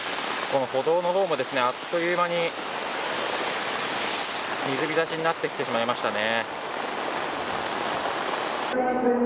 歩道の方も、あっというまに水浸しになってきてしまいましたね。